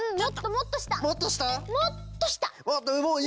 もっとした！